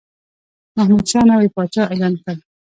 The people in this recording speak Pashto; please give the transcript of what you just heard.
محمودشاه نوی پاچا اعلان کړ.